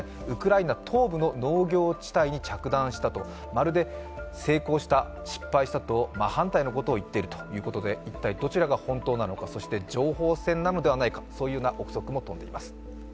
ウクライナ東部の農業地帯に着弾したとまるで成功した、失敗したと真反対のことを言っているということで一体どちらが本当なのか、そして情報戦なのか、そういう臆測も飛んでいます。